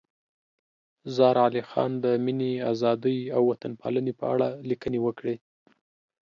زار علي خان د مینې، ازادۍ او وطن پالنې په اړه لیکنې وکړې.